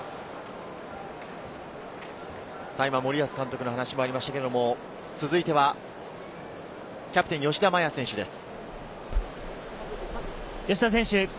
森保監督の話にもありましたけど、続いて、キャプテン・吉田麻也選手です。